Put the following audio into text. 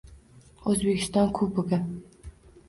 O‘zbekiston Kubogi